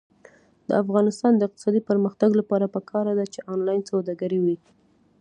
د افغانستان د اقتصادي پرمختګ لپاره پکار ده چې آنلاین سوداګري وي.